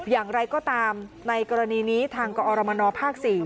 อย่างไรก็ตามในกรณีนี้ทางกอรมนภ๔